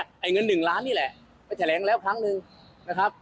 ไอ้เงินหนึ่งล้านนี่แหละไปแถลงแล้วครั้งหนึ่งนะครับ